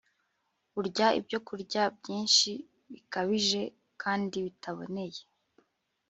urya ibyokurya byinshi bikabije kandi bitaboneye